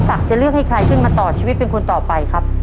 จะเลือกให้ใครขึ้นมาต่อชีวิตเป็นคนต่อไปครับ